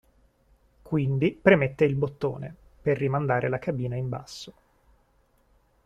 Quindi premette il bottone, per rimandare la cabina in basso.